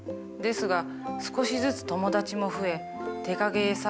ですが少しずつ友達も増え手影絵